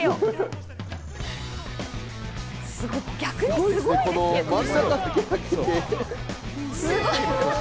逆にすごいですけどね。